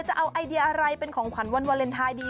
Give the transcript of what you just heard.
จะเอาไอเดียอะไรเป็นของขวัญวันวาเลนไทยดี